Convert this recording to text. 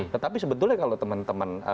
tetapi sebetulnya kalau teman teman